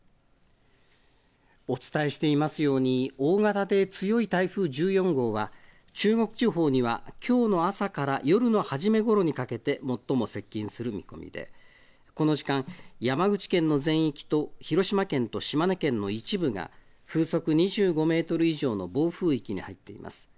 お伝えしていますように大型で強い台風１４号は中国地方にはきょうの朝から夜の初めごろにかけて最も接近する見込みでこの時間、山口県の全域と広島県と島根県の一部が風速２５メートル以上の暴風域に入っています。